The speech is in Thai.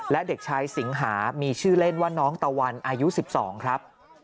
และเด็กชายสิงหามีชื่อเล่นว่าน้องตะวันอายุ๑๒ครับ